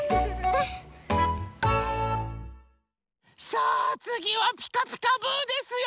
さあつぎは「ピカピカブ！」ですよ。